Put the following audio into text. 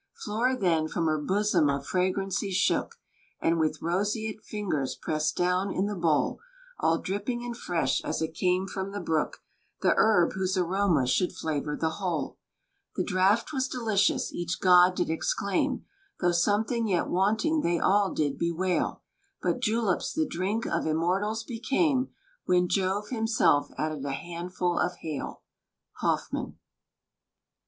Flora then from her bosom of fragrancy shook, And with roseate fingers pressed down in the bowl, All dripping and fresh as it came from the brook, The herb whose aroma should flavor the whole. The draught was delicious, each god did exclaim, Though something yet wanting they all did bewail; But juleps the drink of immortals became, When Jove himself added a handful of hail. HOFFMAN.